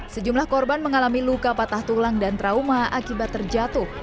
sejumlah korban mengalami luka patah tulang dan trauma akibat terjatuh